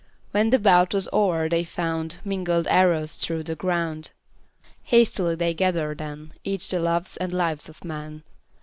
When the bout was o'er they found Mingled arrows strewed the ground. Hastily they gathered then Each the loves and lives of men.